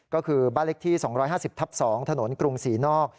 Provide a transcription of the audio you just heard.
ก็คือบ้านเล็กที่๒๕๐ทับ๒ถนนกรุงศรีนอก